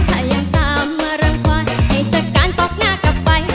ถ้ายังตามมารังความให้จัดการตบหน้ากลับไป